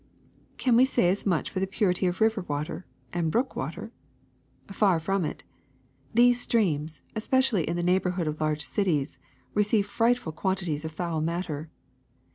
^' Can we say as much for the purity of river water and brook water? Far from it. These streams, es pecially in the neighborhood of large cities, receive frightful quantities of foul matter.